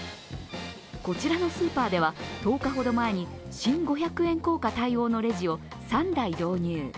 こちらのスーパーでは、１０日ほど前に新五百円硬貨対応のレジを３台導入。